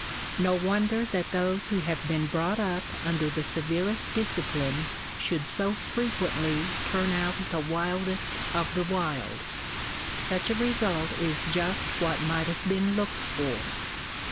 No wonder that those who have been brought up under the severest discipline should so frequently turn out the wildest of the wild. Such a result is just what might have been looked for.